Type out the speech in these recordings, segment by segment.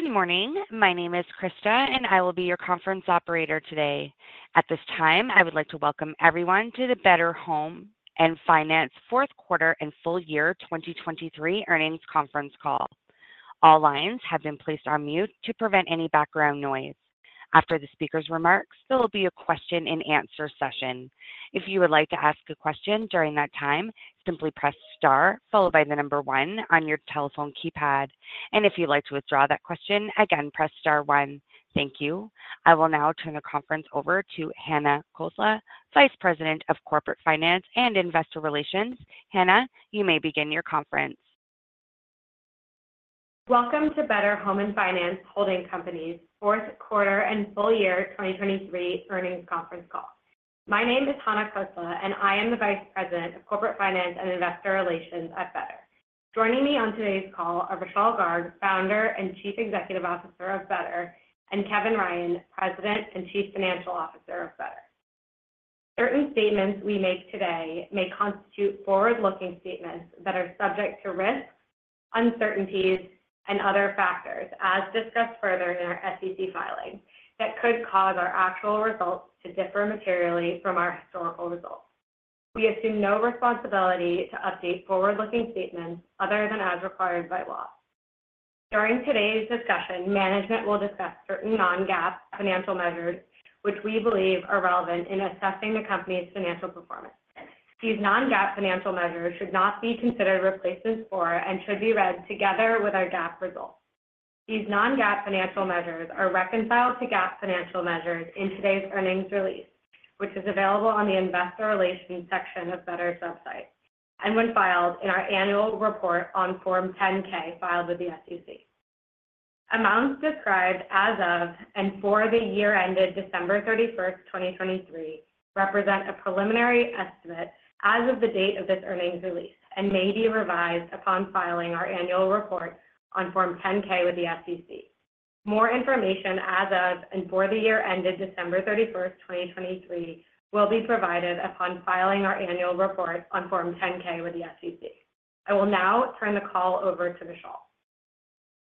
Good morning. My name is Krista, and I will be your conference operator today. At this time, I would like to welcome everyone to the Better Home & Finance fourth quarter and full year 2023 earnings conference call. All lines have been placed on mute to prevent any background noise. After the speaker's remarks, there will be a question-and-answer session. If you would like to ask a question during that time, simply press star followed by the number 1 on your telephone keypad. And if you'd like to withdraw that question, again, press star 1. Thank you. I will now turn the conference over to Hana Khosla, Vice President of Corporate Finance and Investor Relations. Hana, you may begin your conference. Welcome to Better Home & Finance Holding Company’s fourth quarter and full year 2023 earnings conference call. My name is Hana Khosla, and I am the Vice President of Corporate Finance and Investor Relations at Better. Joining me on today's call are Vishal Garg, Founder and Chief Executive Officer of Better, and Kevin Ryan, President and Chief Financial Officer of Better. Certain statements we make today may constitute forward-looking statements that are subject to risks, uncertainties, and other factors, as discussed further in our SEC filing, that could cause our actual results to differ materially from our historical results. We assume no responsibility to update forward-looking statements other than as required by law. During today's discussion, management will discuss certain non-GAAP financial measures, which we believe are relevant in assessing the company's financial performance. These Non-GAAP financial measures should not be considered replacements for and should be read together with our GAAP results. These Non-GAAP financial measures are reconciled to GAAP financial measures in today's earnings release, which is available on the Investor Relations section of Better's website, and when filed in our annual report on Form 10-K filed with the SEC. Amounts described as of and for the year-ended December 31st, 2023, represent a preliminary estimate as of the date of this earnings release and may be revised upon filing our annual report on Form 10-K with the SEC. More information as of and for the year-ended December 31st, 2023, will be provided upon filing our annual report on Form 10-K with the SEC. I will now turn the call over to Vishal.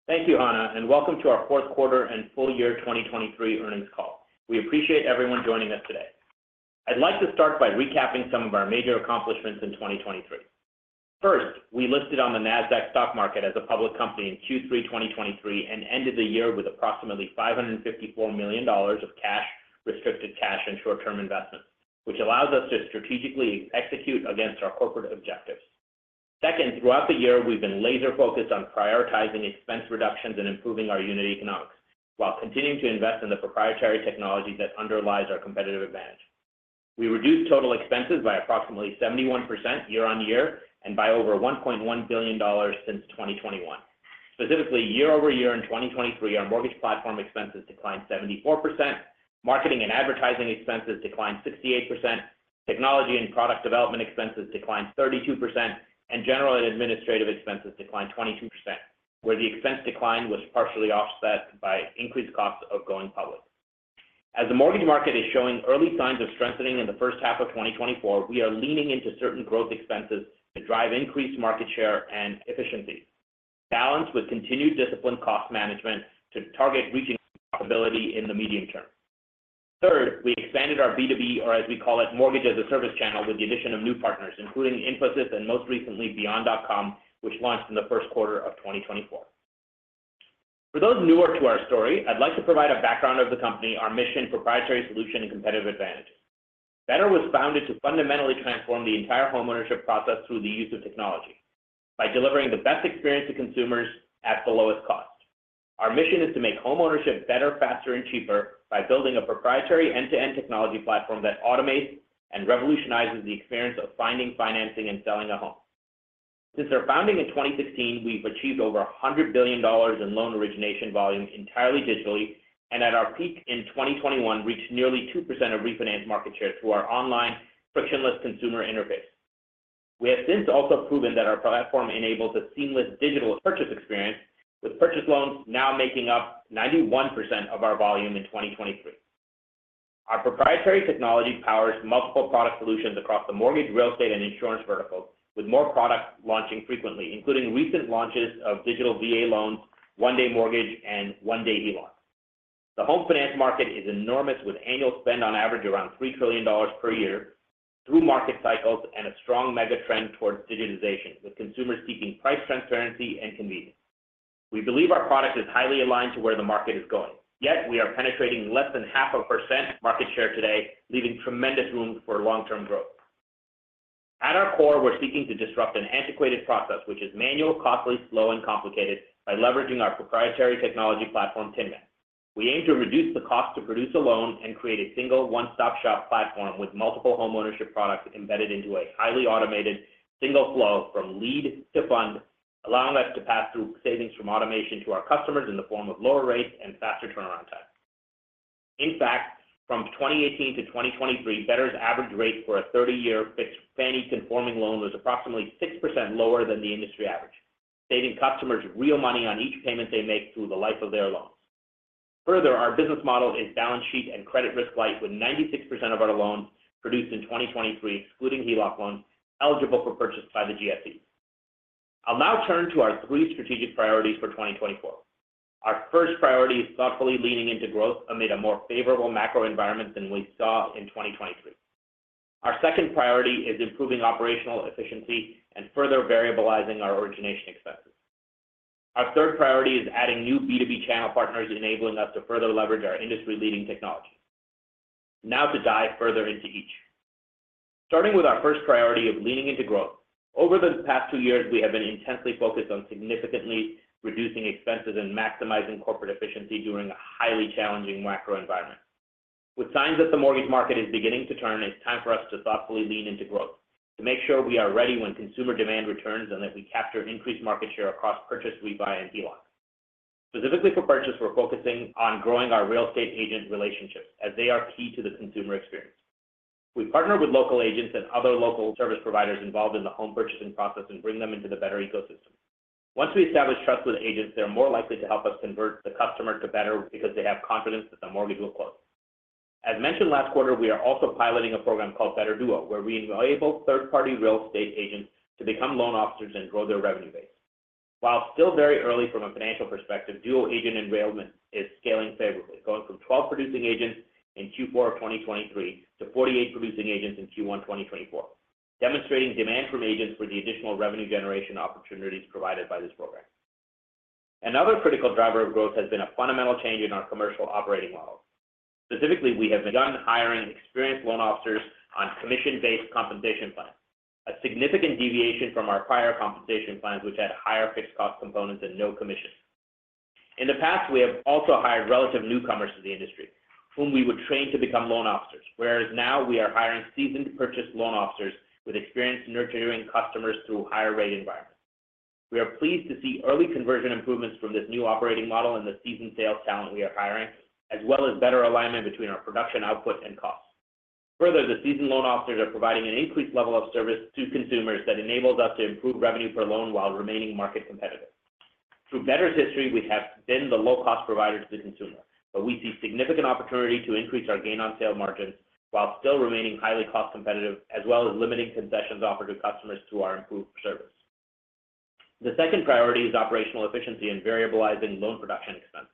Thank you, Hana, and welcome to our fourth quarter and full year 2023 earnings call. We appreciate everyone joining us today. I'd like to start by recapping some of our major accomplishments in 2023. First, we listed on the Nasdaq stock market as a public company in Q3 2023 and ended the year with approximately $554 million of cash, restricted cash, and short-term investments, which allows us to strategically execute against our corporate objectives. Second, throughout the year, we've been laser-focused on prioritizing expense reductions and improving our unit economics while continuing to invest in the proprietary technologies that underlie our competitive advantage. We reduced total expenses by approximately 71% year-over-year and by over $1.1 billion since 2021. Specifically, year-over-year in 2023, our mortgage platform expenses declined 74%, marketing and advertising expenses declined 68%, technology and product development expenses declined 32%, and general and administrative expenses declined 22%, where the expense decline was partially offset by increased costs of going public. As the mortgage market is showing early signs of strengthening in the first half of 2024, we are leaning into certain growth expenses to drive increased market share and efficiencies, balanced with continued disciplined cost management to target reaching profitability in the medium term. Third, we expanded our B2B, or as we call it, mortgage-as-a-service channel with the addition of new partners, including Infosys and most recently Beyond.com, which launched in the first quarter of 2024. For those newer to our story, I'd like to provide a background of the company, our mission, proprietary solution, and competitive advantages. Better was founded to fundamentally transform the entire homeownership process through the use of technology by delivering the best experience to consumers at the lowest cost. Our mission is to make homeownership better, faster, and cheaper by building a proprietary end-to-end technology platform that automates and revolutionizes the experience of finding, financing, and selling a home. Since our founding in 2016, we've achieved over $100 billion in loan origination volume entirely digitally, and at our peak in 2021, reached nearly 2% of refinance market share through our online frictionless consumer interface. We have since also proven that our platform enables a seamless digital purchase experience, with purchase loans now making up 91% of our volume in 2023. Our proprietary technology powers multiple product solutions across the mortgage, real estate, and insurance verticals, with more products launching frequently, including recent launches of digital VA loans, One Day Mortgage, and One Day HELOC. The home finance market is enormous, with annual spend on average around $3 trillion per year through market cycles and a strong megatrend towards digitization, with consumers seeking price transparency and convenience. We believe our product is highly aligned to where the market is going, yet we are penetrating less than 0.5% market share today, leaving tremendous room for long-term growth. At our core, we're seeking to disrupt an antiquated process, which is manual, costly, slow, and complicated, by leveraging our proprietary technology platform, Tinman. We aim to reduce the cost to produce a loan and create a single one-stop shop platform with multiple homeownership products embedded into a highly automated single flow from lead to fund, allowing us to pass through savings from automation to our customers in the form of lower rates and faster turnaround time. In fact, from 2018 to 2023, Better's average rate for a 30-year fixed Fannie Mae conforming loan was approximately 6% lower than the industry average, saving customers real money on each payment they make through the life of their loans. Further, our business model is balance sheet and credit risk light, with 96% of our loans produced in 2023, excluding HELOC loans, eligible for purchase by the GSE. I'll now turn to our three strategic priorities for 2024. Our first priority is thoughtfully leaning into growth amid a more favorable macro environment than we saw in 2023. Our second priority is improving operational efficiency and further variabilizing our origination expenses. Our third priority is adding new B2B channel partners, enabling us to further leverage our industry-leading technology. Now to dive further into each. Starting with our first priority of leaning into growth, over the past two years, we have been intensely focused on significantly reducing expenses and maximizing corporate efficiency during a highly challenging macro environment. With signs that the mortgage market is beginning to turn, it's time for us to thoughtfully lean into growth to make sure we are ready when consumer demand returns and that we capture increased market share across purchase, refi, and HELOC. Specifically for purchase, we're focusing on growing our real estate agent relationships, as they are key to the consumer experience. We partner with local agents and other local service providers involved in the home purchasing process and bring them into the Better ecosystem. Once we establish trust with agents, they're more likely to help us convert the customer to Better because they have confidence that the mortgage will close. As mentioned last quarter, we are also piloting a program called Better Duo, where we enable third-party real estate agents to become loan officers and grow their revenue base. While still very early from a financial perspective, duo agent enrollment is scaling favorably, going from 12 producing agents in Q4 of 2023 to 48 producing agents in Q1 2024, demonstrating demand from agents for the additional revenue generation opportunities provided by this program. Another critical driver of growth has been a fundamental change in our commercial operating model. Specifically, we have begun hiring experienced loan officers on commission-based compensation plans, a significant deviation from our prior compensation plans, which had higher fixed cost components and no commission. In the past, we have also hired relative newcomers to the industry, whom we would train to become loan officers, whereas now we are hiring seasoned purchase loan officers with experience nurturing customers through higher rate environments. We are pleased to see early conversion improvements from this new operating model and the seasoned sales talent we are hiring, as well as better alignment between our production output and costs. Further, the seasoned loan officers are providing an increased level of service to consumers that enables us to improve revenue per loan while remaining market competitive. Through Better's history, we have been the low-cost provider to the consumer, but we see significant opportunity to increase our gain-on-sale margins while still remaining highly cost-competitive, as well as limiting concessions offered to customers through our improved service. The second priority is operational efficiency and variabilizing loan production expenses.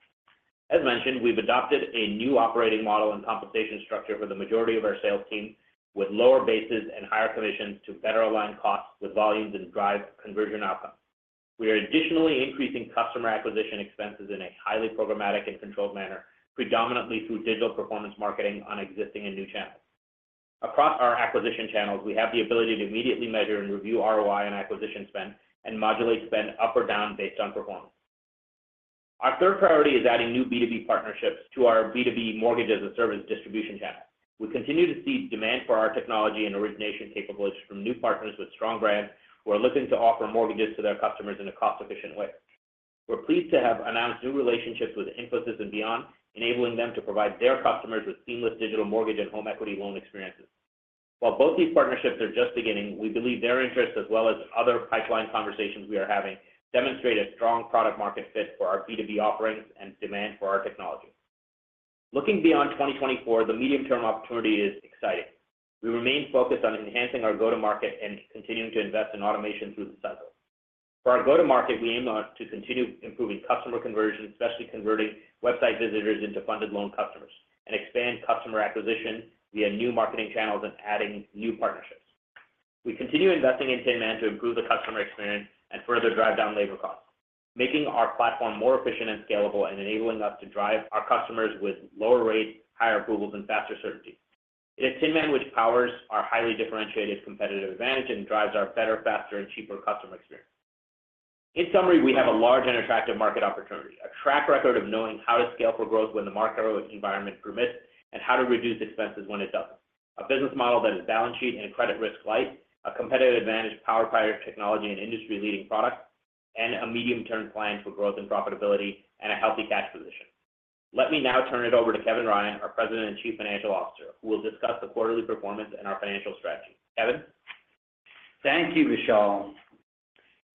As mentioned, we've adopted a new operating model and compensation structure for the majority of our sales team, with lower bases and higher commissions to better align costs with volumes and drive conversion outcomes. We are additionally increasing customer acquisition expenses in a highly programmatic and controlled manner, predominantly through digital performance marketing on existing and new channels. Across our acquisition channels, we have the ability to immediately measure and review ROI and acquisition spend and modulate spend up or down based on performance. Our third priority is adding new B2B partnerships to our B2B mortgage-as-a-service distribution channel. We continue to see demand for our technology and origination capabilities from new partners with strong brands who are looking to offer mortgages to their customers in a cost-efficient way. We're pleased to have announced new relationships with Infosys and Beyond, enabling them to provide their customers with seamless digital mortgage and home equity loan experiences. While both these partnerships are just beginning, we believe their interests, as well as other pipeline conversations we are having, demonstrate a strong product-market fit for our B2B offerings and demand for our technology. Looking beyond 2024, the medium-term opportunity is exciting. We remain focused on enhancing our go-to-market and continuing to invest in automation through the cycle. For our go-to-market, we aim to continue improving customer conversion, especially converting website visitors into funded loan customers, and expand customer acquisition via new marketing channels and adding new partnerships. We continue investing in Tinman to improve the customer experience and further drive down labor costs, making our platform more efficient and scalable and enabling us to drive our customers with lower rates, higher approvals, and faster certainty. It is Tinman, which powers our highly differentiated competitive advantage and drives our better, faster, and cheaper customer experience. In summary, we have a large and attractive market opportunity, a track record of knowing how to scale for growth when the macro environment permits and how to reduce expenses when it doesn't, a business model that is balance sheet and credit risk light, a competitive advantage powered by our technology and industry-leading products, and a medium-term plan for growth and profitability and a healthy cash position. Let me now turn it over to Kevin Ryan, our President and Chief Financial Officer, who will discuss the quarterly performance and our financial strategy. Kevin? Thank you, Vishal.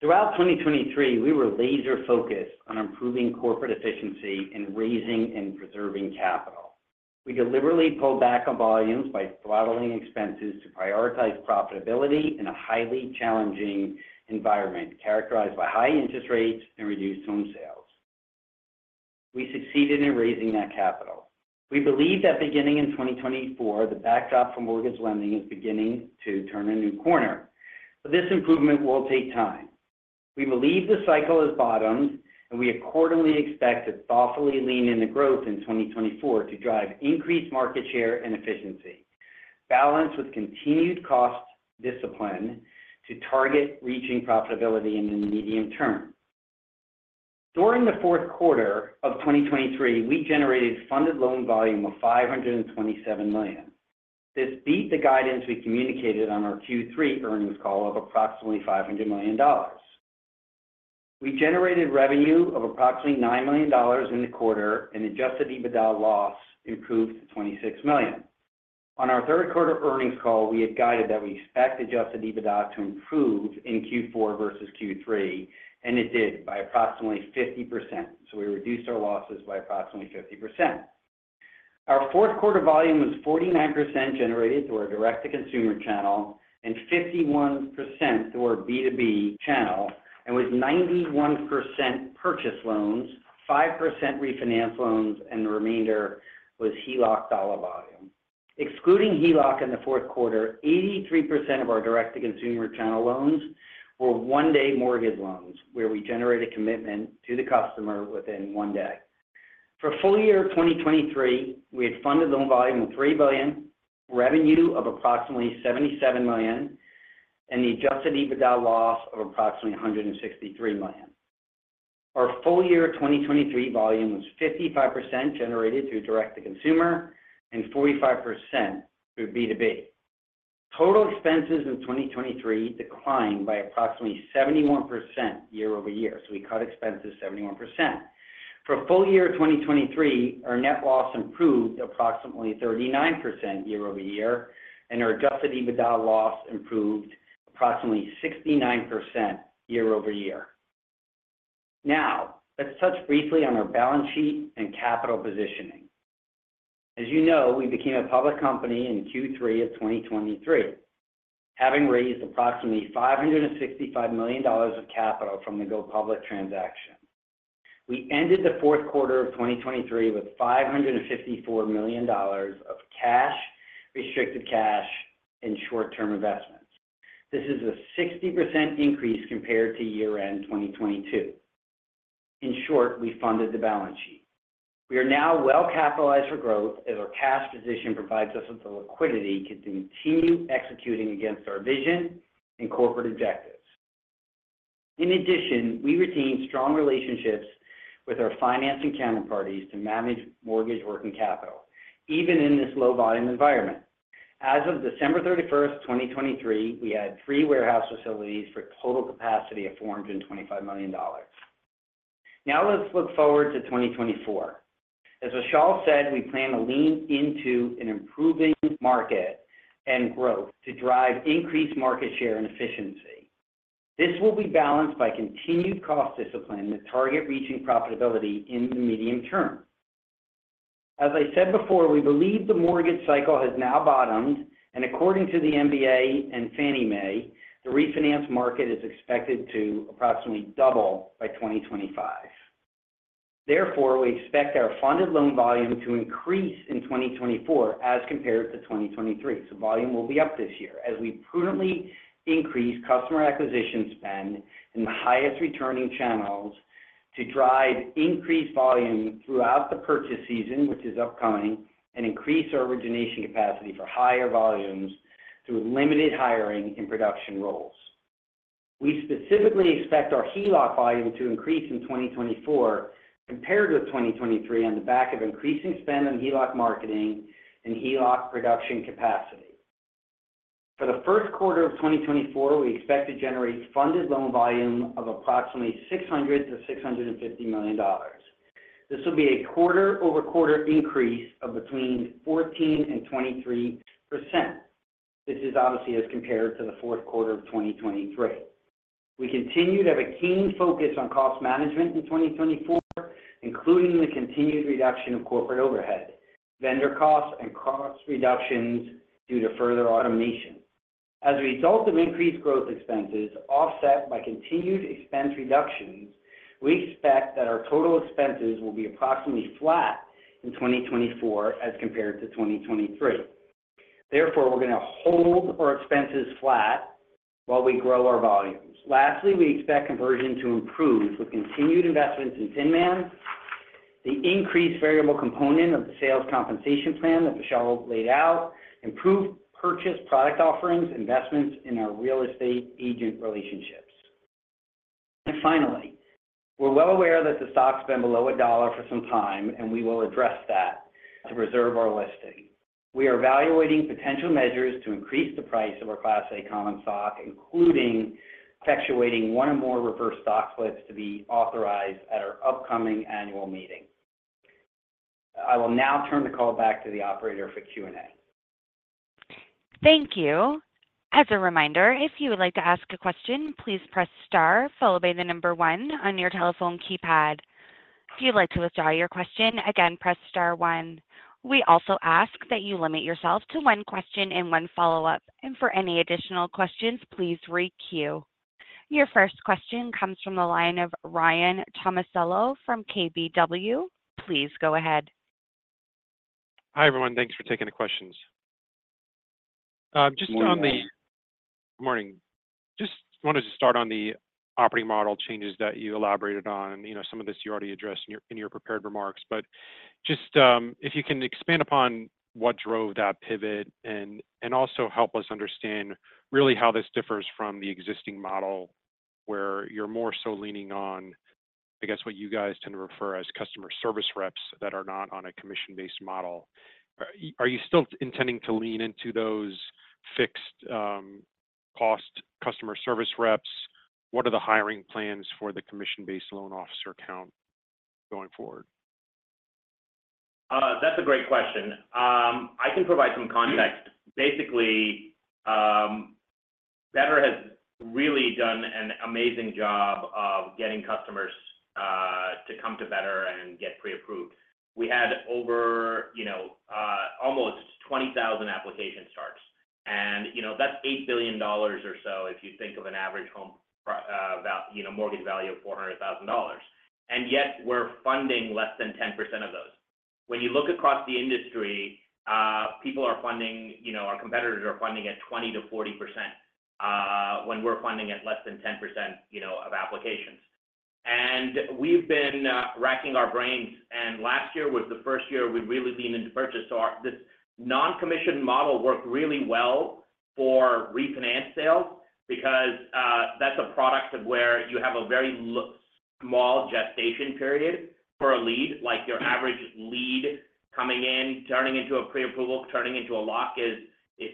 Throughout 2023, we were laser-focused on improving corporate efficiency and raising and preserving capital. We deliberately pulled back on volumes by throttling expenses to prioritize profitability in a highly challenging environment characterized by high interest rates and reduced home sales. We succeeded in raising that capital. We believe that beginning in 2024, the backdrop for mortgage lending is beginning to turn a new corner, but this improvement will take time. We believe the cycle has bottomed, and we accordingly expect to thoughtfully lean into growth in 2024 to drive increased market share and efficiency, balanced with continued cost discipline to target reaching profitability in the medium term. During the fourth quarter of 2023, we generated funded loan volume of $527 million. This beat the guidance we communicated on our Q3 earnings call of approximately $500 million. We generated revenue of approximately $9 million in the quarter, and adjusted EBITDA loss improved to $26 million. On our third quarter earnings call, we had guided that we expect adjusted EBITDA to improve in Q4 versus Q3, and it did by approximately 50%, so we reduced our losses by approximately 50%. Our fourth quarter volume was 49% generated through our direct-to-consumer channel and 51% through our B2B channel and was 91% purchase loans, 5% refinance loans, and the remainder was HELOC dollar volume. Excluding HELOC in the fourth quarter, 83% of our direct-to-consumer channel loans were One Day Mortgage loans, where we generated commitment to the customer within one day. For full year 2023, we had funded loan volume of $3 billion, revenue of approximately $77 million, and the adjusted EBITDA loss of approximately $163 million. Our full year 2023 volume was 55% generated through direct-to-consumer and 45% through B2B. Total expenses in 2023 declined by approximately 71% year-over-year, so we cut expenses 71%. For full year 2023, our net loss improved approximately 39% year-over-year, and our adjusted EBITDA loss improved approximately 69% year-over-year. Now, let's touch briefly on our balance sheet and capital positioning. As you know, we became a public company in Q3 of 2023, having raised approximately $565 million of capital from the go-public transaction. We ended the fourth quarter of 2023 with $554 million of cash, restricted cash, and short-term investments. This is a 60% increase compared to year-end 2022. In short, we funded the balance sheet. We are now well capitalized for growth as our cash position provides us with the liquidity to continue executing against our vision and corporate objectives. In addition, we retained strong relationships with our financing counterparties to manage mortgage working capital, even in this low-volume environment. As of December 31st, 2023, we had free warehouse facilities for total capacity of $425 million. Now let's look forward to 2024. As Vishal said, we plan to lean into an improving market and growth to drive increased market share and efficiency. This will be balanced by continued cost discipline to target reaching profitability in the medium term. As I said before, we believe the mortgage cycle has now bottomed, and according to the MBA and Fannie Mae, the refinance market is expected to approximately double by 2025. Therefore, we expect our funded loan volume to increase in 2024 as compared to 2023, so volume will be up this year as we prudently increase customer acquisition spend in the highest returning channels to drive increased volume throughout the purchase season, which is upcoming, and increase our origination capacity for higher volumes through limited hiring in production roles. We specifically expect our HELOC volume to increase in 2024 compared with 2023 on the back of increasing spend on HELOC marketing and HELOC production capacity. For the first quarter of 2024, we expect to generate funded loan volume of approximately $600-$650 million. This will be a quarter-over-quarter increase of between 14% and 23%. This is obviously as compared to the fourth quarter of 2023. We continue to have a keen focus on cost management in 2024, including the continued reduction of corporate overhead, vendor costs, and cost reductions due to further automation. As a result of increased growth expenses offset by continued expense reductions, we expect that our total expenses will be approximately flat in 2024 as compared to 2023. Therefore, we're going to hold our expenses flat while we grow our volumes. Lastly, we expect conversion to improve with continued investments in Tinman, the increased variable component of the sales compensation plan that Vishal laid out, improved purchase product offerings, investments in our real estate agent relationships. And finally, we're well aware that the stock's been below $1 for some time, and we will address that to preserve our listing. We are evaluating potential measures to increase the price of our Class A Common Stock, including effectuating one or more reverse stock splits to be authorized at our upcoming annual meeting. I will now turn the call back to the operator for Q&A. Thank you. As a reminder, if you would like to ask a question, please press star followed by the number one on your telephone keypad. If you'd like to withdraw your question, again, press star one. We also ask that you limit yourself to one question and one follow-up, and for any additional questions, please re-queue. Your first question comes from the line of Ryan Tomasello from KBW. Please go ahead. Hi everyone. Thanks for taking the questions. Just on the. Good morning. Good morning. Just wanted to start on the operating model changes that you elaborated on. Some of this you already addressed in your prepared remarks, but just if you can expand upon what drove that pivot and also help us understand really how this differs from the existing model where you're more so leaning on, I guess, what you guys tend to refer as customer service reps that are not on a commission-based model. Are you still intending to lean into those fixed-cost customer service reps? What are the hiring plans for the commission-based loan officer count going forward? That's a great question. I can provide some context. Basically, Better has really done an amazing job of getting customers to come to Better and get pre-approved. We had over almost 20,000 application starts, and that's $8 billion or so if you think of an average mortgage value of $400,000. And yet, we're funding less than 10% of those. When you look across the industry, people are funding, our competitors are funding at 20%-40% when we're funding at less than 10% of applications. And we've been racking our brains, and last year was the first year we really leaned into purchase. So this non-commission model worked really well for refinance sales because that's a product of where you have a very small gestation period for a lead. Our average lead coming in, turning into a pre-approval, turning into a lock is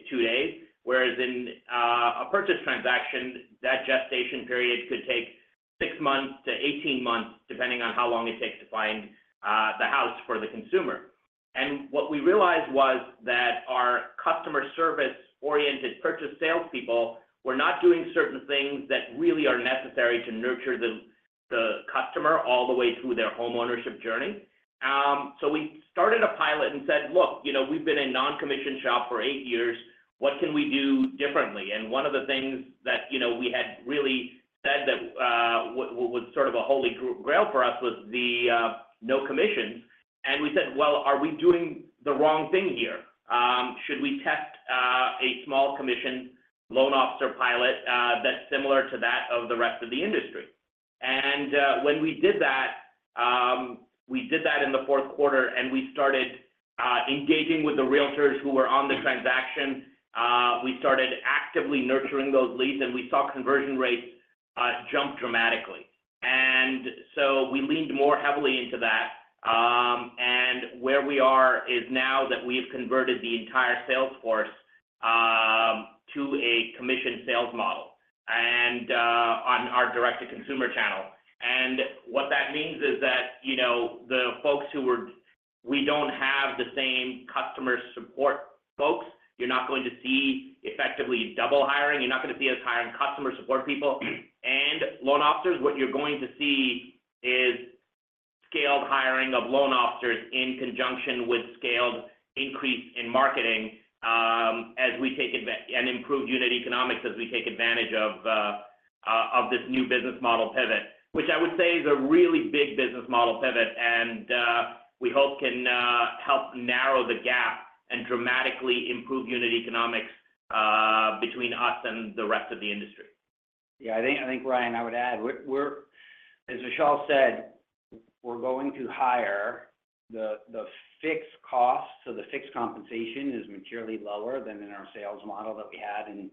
2 days, whereas in a purchase transaction, that gestation period could take 6 months-18 months depending on how long it takes to find the house for the consumer. What we realized was that our customer service-oriented purchase salespeople were not doing certain things that really are necessary to nurture the customer all the way through their home ownership journey. We started a pilot and said, "Look, we've been a non-commission shop for 8 years. What can we do differently?" One of the things that we had really said that was sort of a holy grail for us was the no commissions. We said, "Well, are we doing the wrong thing here? Should we test a small commission loan officer pilot that's similar to that of the rest of the industry?" When we did that, we did that in the fourth quarter, and we started engaging with the Realtors who were on the transaction. We started actively nurturing those leads, and we saw conversion rates jump dramatically. So we leaned more heavily into that. Where we are now is that we have converted the entire sales force to a commission sales model on our direct-to-consumer channel. What that means is that the folks who were we don't have the same customer support folks. You're not going to see effectively double hiring. You're not going to see us hiring customer support people and loan officers. What you're going to see is scaled hiring of loan officers in conjunction with scaled increase in marketing as we take an improved unit economics as we take advantage of this new business model pivot, which I would say is a really big business model pivot, and we hope can help narrow the gap and dramatically improve unit economics between us and the rest of the industry. Yeah. I think, Ryan, I would add. As Vishal said, we're going to hire. The fixed cost, so the fixed compensation, is materially lower than in our sales model that we had in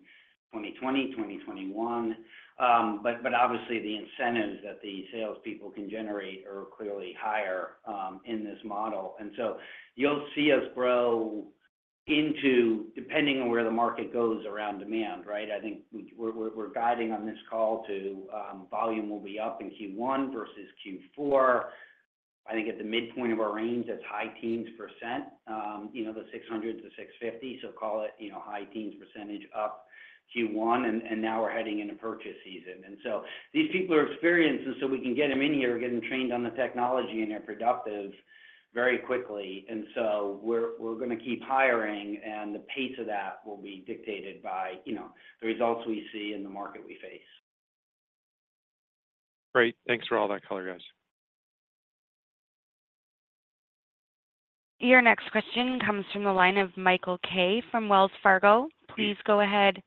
2020, 2021. But obviously, the incentives that the salespeople can generate are clearly higher in this model. And so you'll see us grow depending on where the market goes around demand, right? I think we're guiding on this call to volume will be up in Q1 versus Q4. I think at the midpoint of our range, that's high teens percent, the 600-650, so call it high teens percent up Q1, and now we're heading into purchase season. And so these people are experienced, and so we can get them in here and get them trained on the technology and they're productive very quickly. We're going to keep hiring, and the pace of that will be dictated by the results we see and the market we face. Great. Thanks for all that, color guys. Your next question comes from the line of Michael Kaye from Wells Fargo. Please go ahead.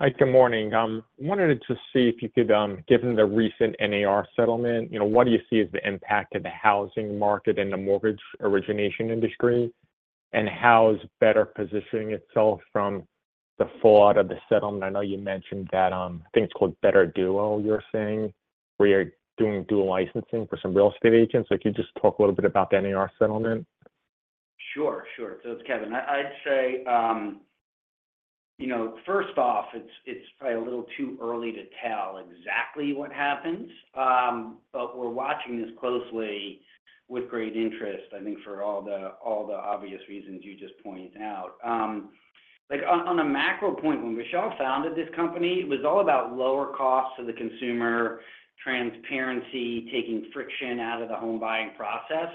Hi. Good morning. I wanted to see if you could, given the recent NAR settlement, what do you see as the impact of the housing market and the mortgage origination industry, and how is Better positioning itself from the fallout of the settlement? I know you mentioned that I think it's called Better Duo, you're saying, where you're doing dual licensing for some real estate agents. So if you could just talk a little bit about the NAR settlement. Sure. Sure. So it's Kevin. I'd say, first off, it's probably a little too early to tell exactly what happens, but we're watching this closely with great interest, I think, for all the obvious reasons you just pointed out. On a macro point, when Vishal founded this company, it was all about lower costs to the consumer, transparency, taking friction out of the home buying process.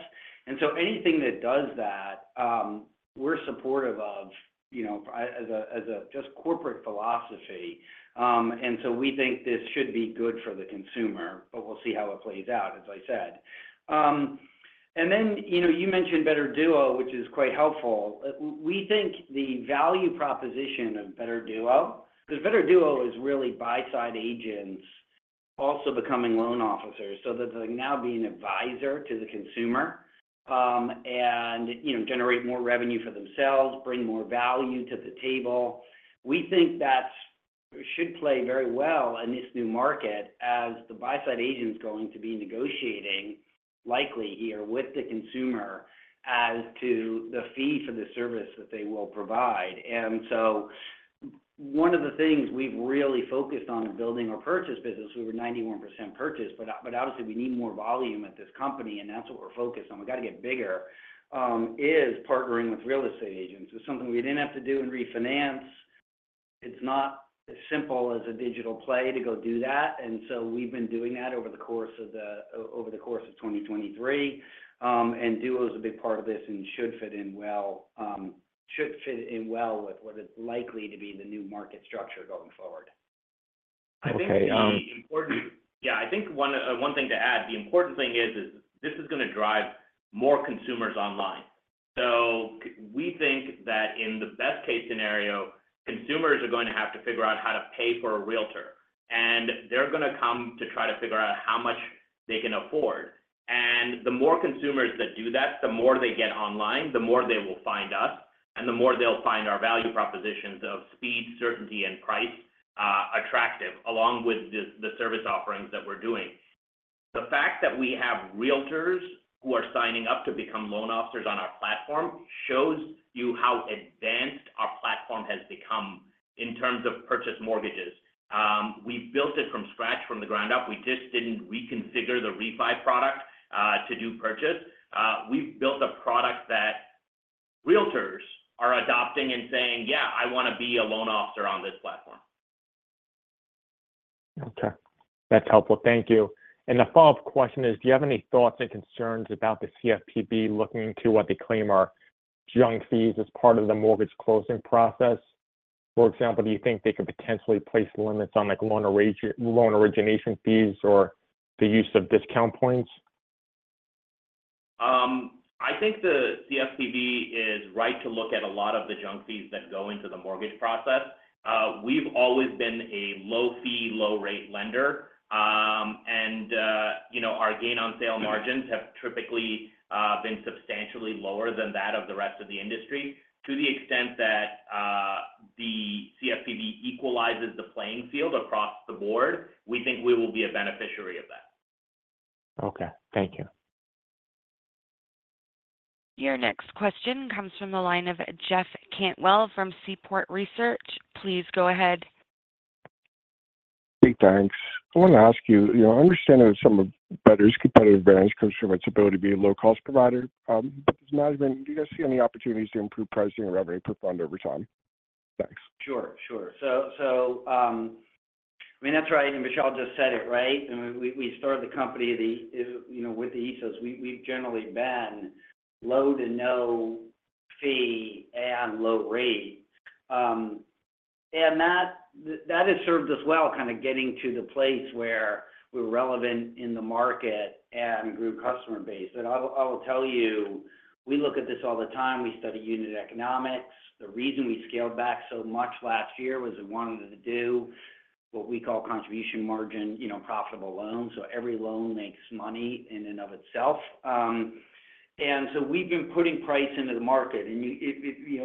And so anything that does that, we're supportive of as just corporate philosophy. And so we think this should be good for the consumer, but we'll see how it plays out, as I said. And then you mentioned Better Duo, which is quite helpful. We think the value proposition of Better Duo because Better Duo is really buy-side agents also becoming loan officers, so they're now being advisor to the consumer and generate more revenue for themselves, bring more value to the table. We think that should play very well in this new market as the buy-side agent's going to be negotiating likely here with the consumer as to the fee for the service that they will provide. And so one of the things we've really focused on in building our purchase business, we were 91% purchase, but obviously, we need more volume at this company, and that's what we're focused on. We got to get bigger, is partnering with real estate agents. It's something we didn't have to do in refinance. It's not as simple as a digital play to go do that. And so we've been doing that over the course of 2023, and Duo's a big part of this and should fit in well with what is likely to be the new market structure going forward. Okay. Yeah. I think one thing to add, the important thing is this is going to drive more consumers online. So we think that in the best-case scenario, consumers are going to have to figure out how to pay for a Realtor, and they're going to come to try to figure out how much they can afford. And the more consumers that do that, the more they get online, the more they will find us, and the more they'll find our value propositions of speed, certainty, and price attractive, along with the service offerings that we're doing. The fact that we have Realtors who are signing up to become loan officers on our platform shows you how advanced our platform has become in terms of purchased mortgages. We built it from scratch, from the ground up. We just didn't reconfigure the Refi product to do purchase. We've built a product that Realtors are adopting and saying, "Yeah, I want to be a loan officer on this platform. Okay. That's helpful. Thank you. The follow-up question is, do you have any thoughts and concerns about the CFPB looking into what they claim are junk fees as part of the mortgage closing process? For example, do you think they could potentially place limits on loan origination fees or the use of discount points? I think the CFPB is right to look at a lot of the junk fees that go into the mortgage process. We've always been a low-fee, low-rate lender, and our gain-on-sale margins have typically been substantially lower than that of the rest of the industry. To the extent that the CFPB equalizes the playing field across the board, we think we will be a beneficiary of that. Okay. Thank you. Your next question comes from the line of Jeff Cantwell from Seaport Research. Please go ahead. Hey, thanks. I want to ask you, understanding that some of Better's competitive advantage comes from its ability to be a low-cost provider, but does management do you guys see any opportunities to improve pricing or revenue per fund over time? Thanks. Sure. Sure. So I mean, that's right. And Vishal just said it, right? I mean, we started the company with the ethos. We've generally been low to no fee and low rate. And that has served us well kind of getting to the place where we're relevant in the market and grew customer base. And I will tell you, we look at this all the time. We study unit economics. The reason we scaled back so much last year was we wanted to do what we call contribution margin profitable loans. So every loan makes money in and of itself. And so we've been putting price into the market. And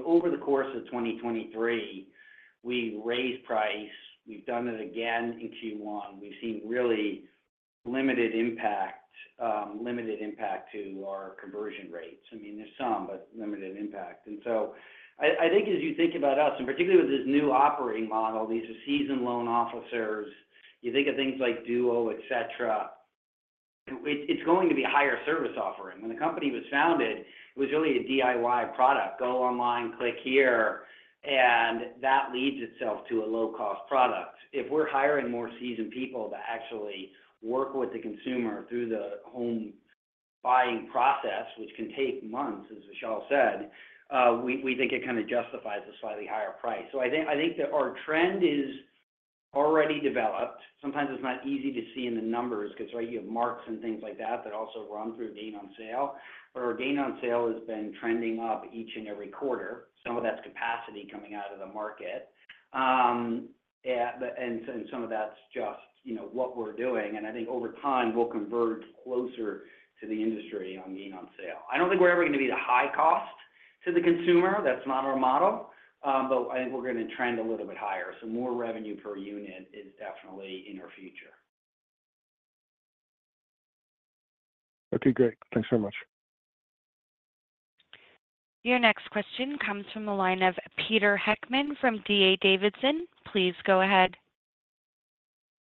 over the course of 2023, we raised price. We've done it again in Q1. We've seen really limited impact to our conversion rates. I mean, there's some, but limited impact. And so I think as you think about us, and particularly with this new operating model, these are seasoned loan officers. You think of things like Duo, etc. It's going to be a higher service offering. When the company was founded, it was really a DIY product. Go online, click here, and that lends itself to a low-cost product. If we're hiring more seasoned people to actually work with the consumer through the home buying process, which can take months, as Vishal said, we think it kind of justifies a slightly higher price. So I think that our trend is already developed. Sometimes it's not easy to see in the numbers because, right, you have marks and things like that that also run through gain-on-sale. But our gain-on-sale has been trending up each and every quarter. Some of that's capacity coming out of the market, and some of that's just what we're doing. And I think over time, we'll converge closer to the industry on gain-on-sale. I don't think we're ever going to be the high cost to the consumer. That's not our model. But I think we're going to trend a little bit higher. So more revenue per unit is definitely in our future. Okay. Great. Thanks very much. Your next question comes from the line of Peter Heckmann from D.A. Davidson. Please go ahead.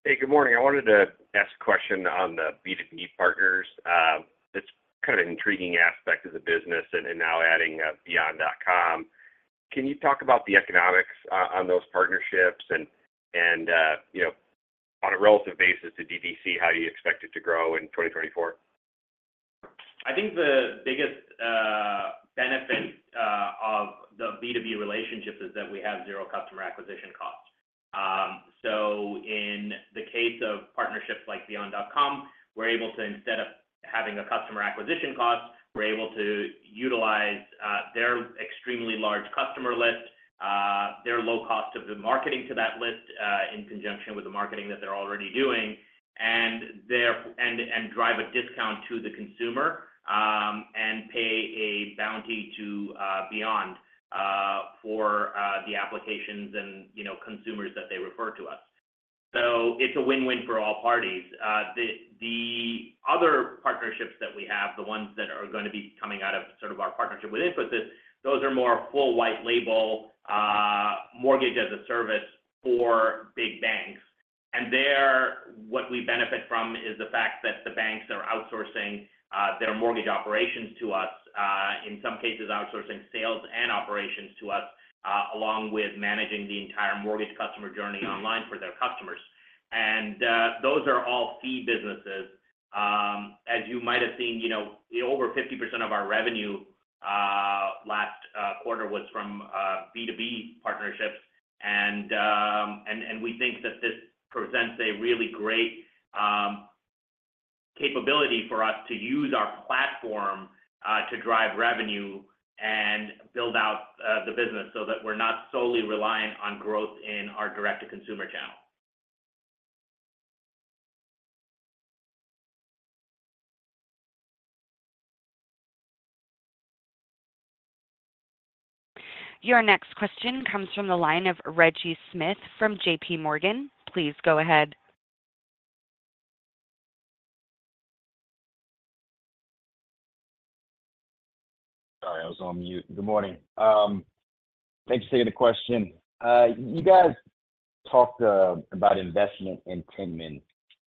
Hey. Good morning. I wanted to ask a question on the B2B partners. It's kind of an intriguing aspect of the business and now adding Beyond.com. Can you talk about the economics on those partnerships and, on a relative basis to D2C, how do you expect it to grow in 2024? I think the biggest benefit of the B2B relationships is that we have zero customer acquisition costs. So in the case of partnerships like Beyond.com, we're able to instead of having a customer acquisition cost, we're able to utilize their extremely large customer list, their low cost of the marketing to that list in conjunction with the marketing that they're already doing, and drive a discount to the consumer and pay a bounty to Beyond for the applications and consumers that they refer to us. So it's a win-win for all parties. The other partnerships that we have, the ones that are going to be coming out of sort of our partnership with Infosys, those are more full white-label mortgage as a service for big banks. What we benefit from is the fact that the banks are outsourcing their mortgage operations to us, in some cases, outsourcing sales and operations to us, along with managing the entire mortgage customer journey online for their customers. Those are all fee businesses. As you might have seen, over 50% of our revenue last quarter was from B2B partnerships. We think that this presents a really great capability for us to use our platform to drive revenue and build out the business so that we're not solely reliant on growth in our direct-to-consumer channel. Your next question comes from the line of Reggie Smith from JPMorgan. Please go ahead. Sorry. I was on mute. Good morning. Thanks for taking the question. You guys talked about investment in Tinman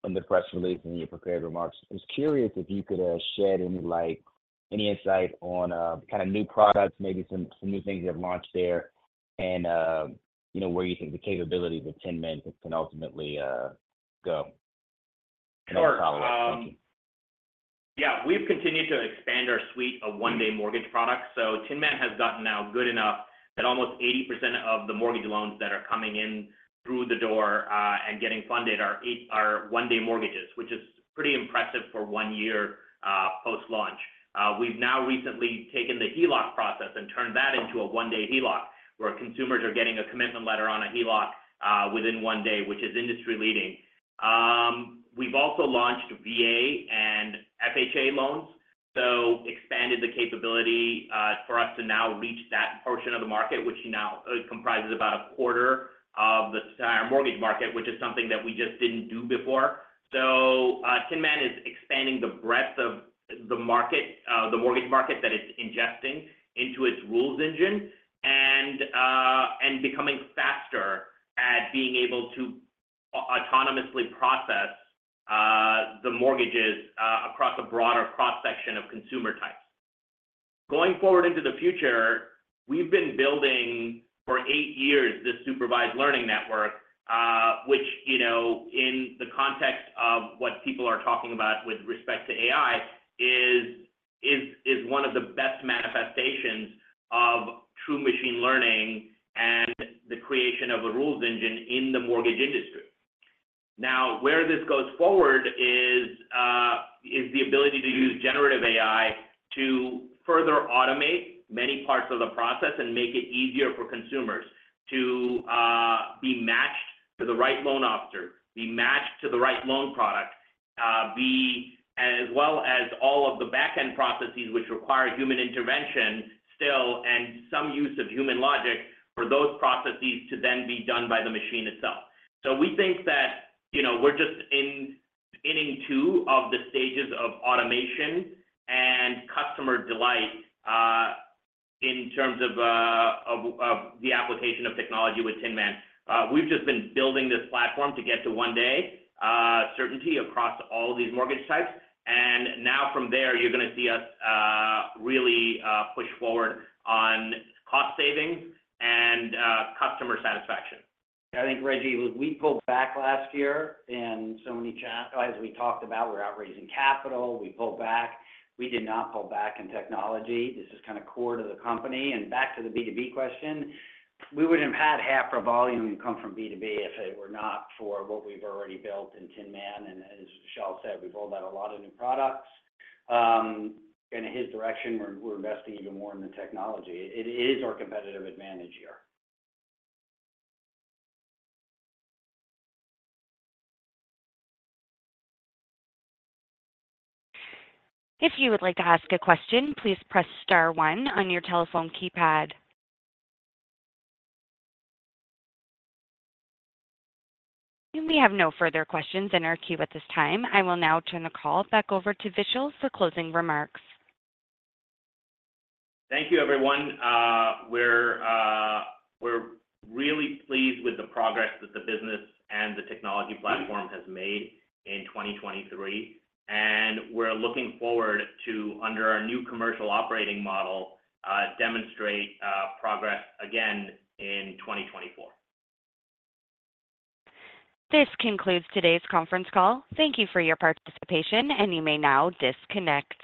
in the press release and your prepared remarks. I was curious if you could share any insight on kind of new products, maybe some new things you have launched there, and where you think the capabilities of Tinman can ultimately go. Sure. Yeah. We've continued to expand our suite of One Day Mortgage products. So Tinman has gotten now good enough that almost 80% of the mortgage loans that are coming in through the door and getting funded are One Day Mortgages, which is pretty impressive for one year post-launch. We've now recently taken the HELOC process and turned that into a One Day HELOC where consumers are getting a commitment letter on a HELOC within one day, which is industry-leading. We've also launched VA and FHA loans, so expanded the capability for us to now reach that portion of the market, which now comprises about a quarter of the entire mortgage market, which is something that we just didn't do before. So Tinman is expanding the breadth of the mortgage market that it's ingesting into its rules engine and becoming faster at being able to autonomously process the mortgages across a broader cross-section of consumer types. Going forward into the future, we've been building for eight years this supervised learning network, which, in the context of what people are talking about with respect to AI, is one of the best manifestations of true machine learning and the creation of a rules engine in the mortgage industry. Now, where this goes forward is the ability to use generative AI to further automate many parts of the process and make it easier for consumers to be matched to the right loan officer, be matched to the right loan product, as well as all of the backend processes which require human intervention still and some use of human logic for those processes to then be done by the machine itself. So we think that we're just in inning 2 of the stages of automation and customer delight in terms of the application of technology with Tinman. We've just been building this platform to get to 1-day certainty across all of these mortgage types. And now from there, you're going to see us really push forward on cost savings and customer satisfaction. Yeah. I think, Reggie, as we pulled back last year in so many chats as we talked about, we're out raising capital, we pulled back. We did not pull back in technology. This is kind of core to the company. And back to the B2B question, we wouldn't have had half our volume come from B2B if it were not for what we've already built in Tinman. And as Vishal said, we've rolled out a lot of new products. And in his direction, we're investing even more in the technology. It is our competitive advantage here. If you would like to ask a question, please press star 1 on your telephone keypad. We have no further questions in our queue at this time. I will now turn the call back over to Vishal for closing remarks. Thank you, everyone. We're really pleased with the progress that the business and the technology platform has made in 2023. We're looking forward to, under our new commercial operating model, demonstrate progress again in 2024. This concludes today's conference call. Thank you for your participation, and you may now disconnect.